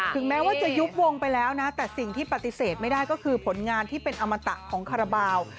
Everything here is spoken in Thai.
แม้ว่าจะยุบวงไปแล้วนะแต่สิ่งที่ปฏิเสธไม่ได้ก็คือผลงานที่เป็นอมตะของคาราบาล